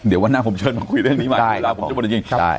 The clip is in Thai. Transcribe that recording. เดี๋ยววันหน้าผมเชิญมาคุยเรื่องนี้มาไหนราวผมจะบอกให้จริงครับ